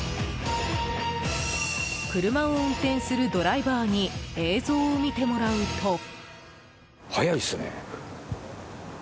車を運転するドライバーに映像を見てもらうと。